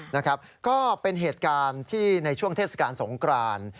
นะครับก็เป็นเหตุการณ์ที่ในช่วงเทศกาลสงคราน